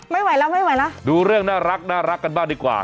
ไม่ไหวแล้วไม่ไหวแล้วดูเรื่องน่ารักกันบ้างดีกว่า